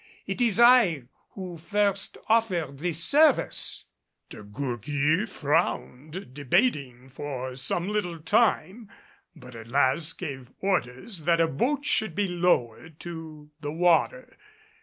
It is I who first offered this service." De Gourgues frowned, debating for some little time, but at last gave orders that a boat should be lowered into the water.